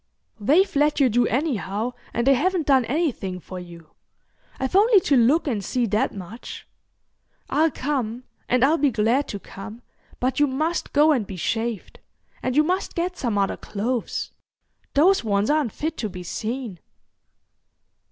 "They've let you do anyhow and they haven't done anything for you. I've only to look and see that much. I'll come, and I'll be glad to come, but you must go and be shaved, and you must get some other clothes—those ones aren't fit to be seen."